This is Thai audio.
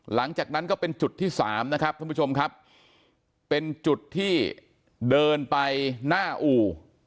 หลังจากนั้นก็เป็นจุดที่สามนะครับท่านผู้ชมครับเป็นจุดที่เดินไปหน้าอู่